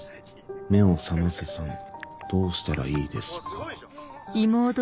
『めをさませ』さんどうしたらいいですか」。